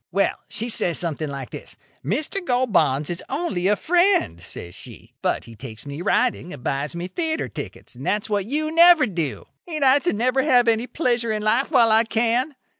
Well, she says something like this: 'Mr. Gold Bonds is only a friend,' says she; 'but he takes me riding and buys me theatre tickets, and that's what you never do. Ain't I to never have any pleasure in life while I can?